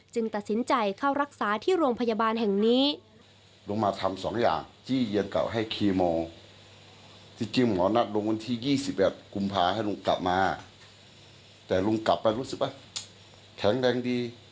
ตัดสินใจเข้ารักษาที่โรงพยาบาลแห่งนี้